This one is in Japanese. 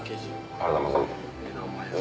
ありがとうございます。